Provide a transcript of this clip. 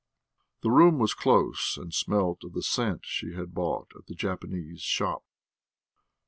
The room was close and smelt of the scent she had bought at the Japanese shop.